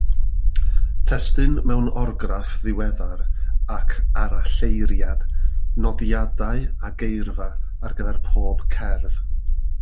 Testun mewn orgraff ddiweddar ac aralleiriad, nodiadau a geirfa ar gyfer pob cerdd.